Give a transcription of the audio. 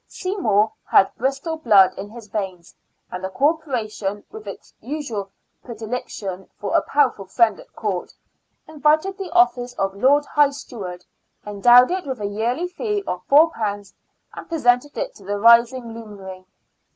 Seymour had Bristol blood in his veins, and the Corporation, with its usual predilection for a powerful friend at Court, invented the office of Lord High Steward, endowed it with a yearly fee of £4, and presented it to the rising luminary.